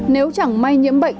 nếu chẳng may nhiễm bệnh